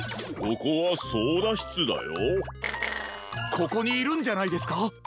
ここにいるんじゃないですか？